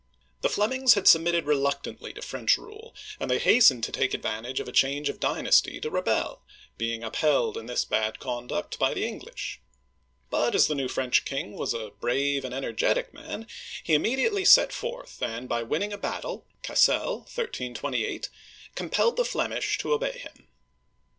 The Flemings had submitted reluctantly to French rule, and they hastened to take advantage of a change of dynasty to rebel, being upheld in this bad conduct by the English. But as the new French king was a brave and energetic man, he immediately set forth, and, by win ning a battle (Cassel, 1328), compelled the Flemish to obey him.